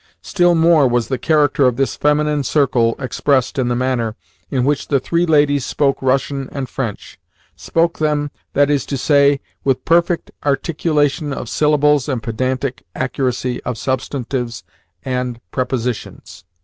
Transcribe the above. Still more was the character of this feminine circle expressed in the manner in which the three ladies spoke Russian and French spoke them, that is to say, with perfect articulation of syllables and pedantic accuracy of substantives and prepositions.